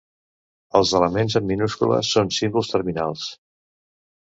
Els elements en minúscules són símbols terminals.